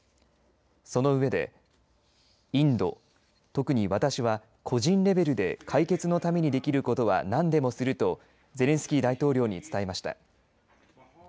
その上でインド、特に私は個人レベルで解決のためにできることは何でもするとゼレンスキー大統領に伝えました。